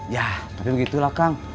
ya tapi begitulah kang